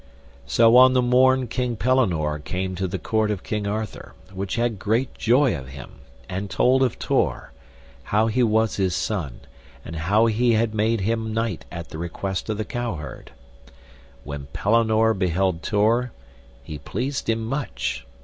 So on the morn King Pellinore came to the court of King Arthur, which had great joy of him, and told him of Tor, how he was his son, and how he had made him knight at the request of the cowherd. When Pellinore beheld Tor, he pleased him much.